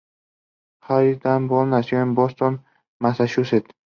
Harriet Ann Boyd nació en Boston, Massachusetts.